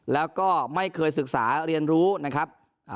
แล้วก็ไม่เคยศึกษาเรียนรู้นะครับ